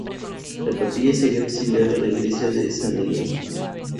La capilla sería auxiliar de la Iglesia de San Miguel.